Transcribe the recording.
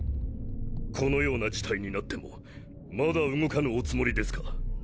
このような事態になってもまだ動かぬおつもりですか？